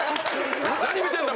「何見てんだ⁉